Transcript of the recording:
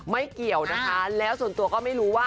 เกี่ยวนะคะแล้วส่วนตัวก็ไม่รู้ว่า